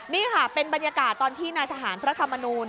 นี่ค่ะเป็นบรรยากาศตอนที่นายทหารพระธรรมนูล